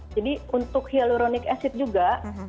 jadi untuk hyaluronic acid juga